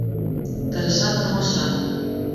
Тырыша-тырмаша.